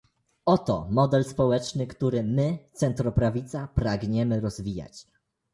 Oto model społeczny, który my, centroprawica pragniemy rozwijać